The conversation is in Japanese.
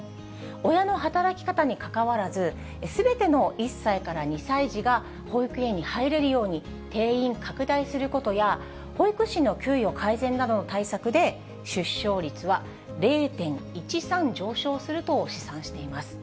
親の働き方にかかわらず、すべての１歳から２歳児が保育園に入れるように定員拡大することや、保育士の給与改善などの対策で、出生率は０．１３上昇すると試算しています。